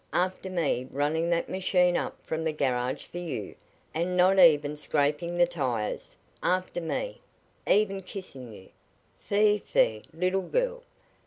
After me running that machine up from the garage for you, and not even scraping the tires; after me even kissing you! Fie! fie! little girl.